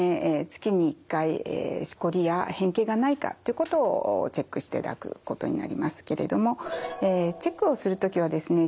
月に１回しこりや変形がないかということをチェックしていただくことになりますけれどもチェックをする時はですね